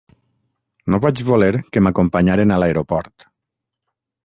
No vaig voler que m'acompanyaren a l'aeroport.